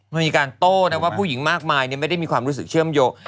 มันมีการโต้นะว่าผู้หญิงมากมายไม่ได้มีความรู้สึกเชื่อมโยง